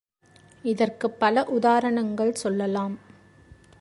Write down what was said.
இதற்குப் பல உதாரணங்கள் சொல்லலாம்.